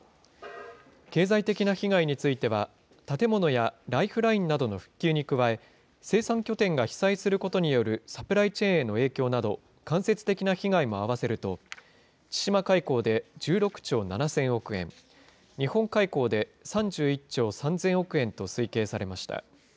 経済的な被害については、建物やライフラインなどの復旧に加え、生産拠点が被災することによるサプライチェーンへの影響など、間接的な被害も合わせると、千島海溝で１６兆７０００億円、日本海溝で３１兆３０００億円と推計されました。